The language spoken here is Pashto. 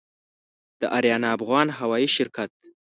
د آریانا افغان هوايي شرکت